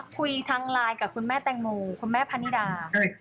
คุยทางไลน์กับคุณแม่แตงโมคุณแม่พะนิดา